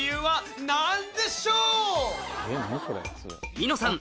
ニノさん